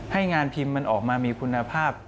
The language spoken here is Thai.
ให้งานพิมพ์มันออกมามีคุณภาพ